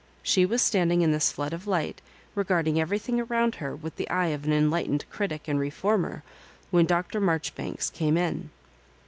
She was standing in this flood of light, regarding everything around her with the eye of an en lightened critic and reformer, when Dr. Marjori banks came in.